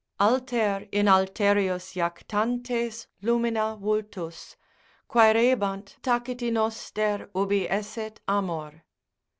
Alter in alterius jactantes lumina vultus, Quaerebant taciti noster ubi esset amor.